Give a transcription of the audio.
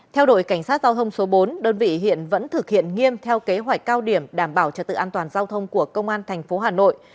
theo đội cảnh sát giao thông số bốn đơn vị hiện vẫn thực hiện nghiêm theo kế hoạch cao điểm đảm bảo trật tự an toàn giao thông của công an tp hà nội